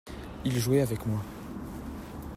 Il jouait avec moi.